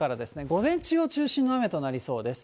午前中を中心に雨となりそうです。